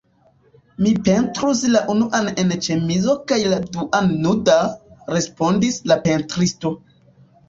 Mi pentrus la unuan en ĉemizo kaj la duan nuda, respondis la pentristo.